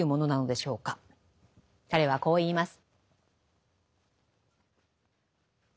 彼はこう言います。